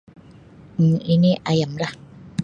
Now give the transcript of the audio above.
Um Ini ayam lah.